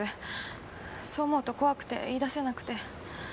そう思うと怖くて言い出せなくて。